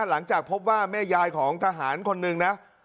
หลังจากพบว่าแม่ยายของทหารคนหนึ่งนะ